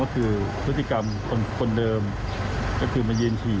ว่าคือธุรกิจกรรมคนเดิมก็คือมันเยินฉี่